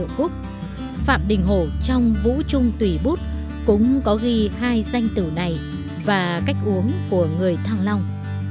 phạm đình hổ trong vũ trung tùy bút cũng có ghi hai danh tử này và cách uống của người thăng long